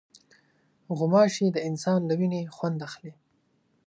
غوماشې د انسان له وینې خوند اخلي.